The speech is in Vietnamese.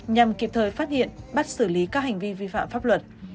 nhằm kịp thời phát hiện bắt xử lý các hành vi vi phạm pháp luật